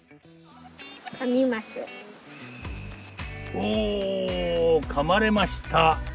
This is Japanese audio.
おお噛まれました。